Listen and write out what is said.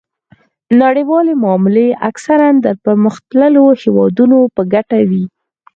نړیوالې معاملې اکثراً د پرمختللو هیوادونو په ګټه وي